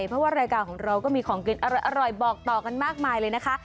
เพราะว่ารายการของเราก็มีของกินอร่อยบอกต่อกันมากมายเลยนะคะ